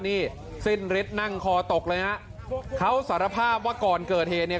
นี่สิ้นฤทธิ์นั่งคอตกเลยฮะเขาสารภาพว่าก่อนเกิดเหตุเนี่ย